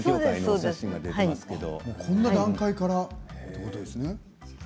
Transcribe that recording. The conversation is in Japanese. このような段階からということですね。